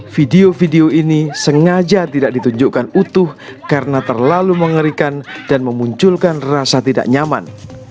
video video ini sengaja tidak ditunjukkan utuh karena terlalu mengerikan dan memunculkan rasa tidak nyaman